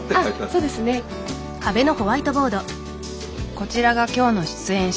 こちらが今日の出演者。